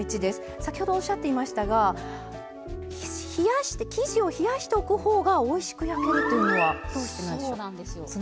先ほど、おっしゃっていましたが生地を冷やしておくほうがおいしく焼けるというのはどうしてなんでしょう？